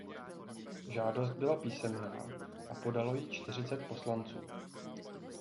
Žádost byla písemná a podalo ji čtyřicet poslanců.